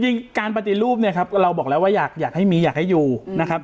การปฏิรูปเนี่ยครับเราบอกแล้วว่าอยากให้มีอยากให้อยู่นะครับ